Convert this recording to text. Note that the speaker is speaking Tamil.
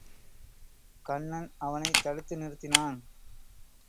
கண்ணன் அவனைத் தடுத்து நிறுத்தினான்.